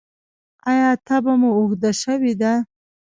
ایا تبه مو اوږده شوې ده؟